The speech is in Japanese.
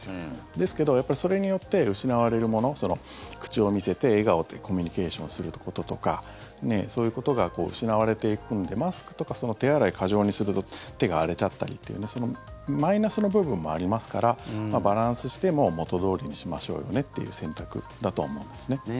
ですけどそれによって失われるもの口を見せて、笑顔でコミュニケーションすることとかそういうことが失われていくのでマスクとか手洗い過剰にすると手が荒れちゃったりっていうマイナスの部分もありますからバランスしてもう元どおりにしましょうよねっていう選択だとは思うんですね。